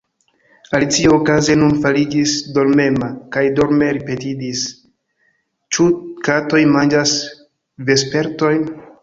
Alicio okaze nun fariĝis dormema, kaj dorme ripetadis: "Ĉu katoj manĝas vespertojn? »